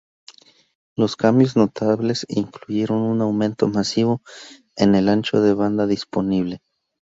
Los cambios notables incluyeron un aumento masivo en el ancho de banda disponible.